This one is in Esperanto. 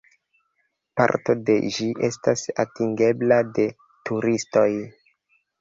Parto de ĝi estas atingebla de turistoj.